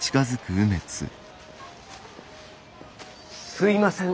すいません。